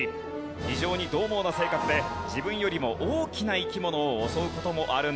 非常に獰猛な性格で自分よりも大きな生き物を襲う事もあるんです。